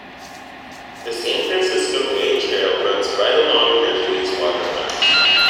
The San Francisco Bay Trail runs right along Hercules waterfront.